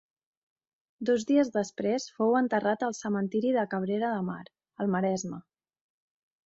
Dos dies després fou enterrat al cementiri de Cabrera de Mar, al Maresme.